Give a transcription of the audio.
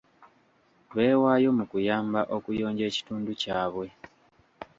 Beewayo mu kuyamba okuyonja ekitundu kyabwe.